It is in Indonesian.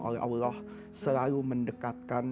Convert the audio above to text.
oleh allah selalu mendekatkan